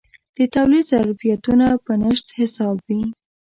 د تولید ظرفیتونه په نشت حساب وي.